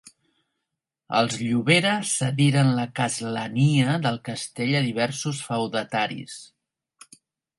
Els Llobera cediren la castlania del castell a diversos feudataris.